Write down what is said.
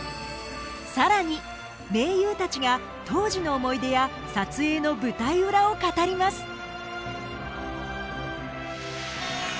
更に名優たちが当時の思い出や撮影の舞台裏を語ります！